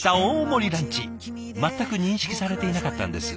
全く認識されていなかったんです。